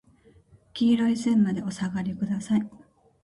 黄色い線までお下がりください。